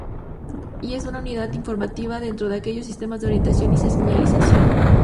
Y es una unidad informativa dentro de aquellos sistemas de orientación y señalización.